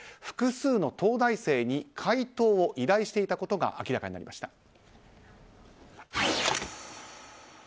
複数の東大生に解答を依頼していたことが明らかになりました。